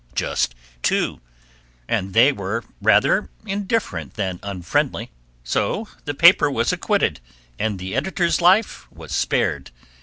Just two, and they were rather indifferent than unfriendly. So the paper was acquitted, and the editor's life was spared.